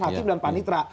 hakim dan panitera